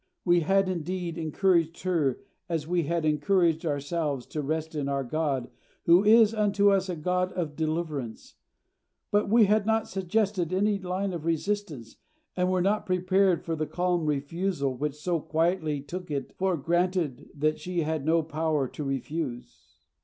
We had, indeed, encouraged her as we had encouraged ourselves, to rest in our God, who is unto us a God of deliverances; but we had not suggested any line of resistance, and were not prepared for the calm refusal which so quietly took it for granted that she had no power to refuse.